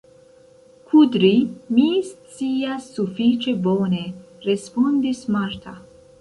Kudri mi scias sufiĉe bone, respondis Marta.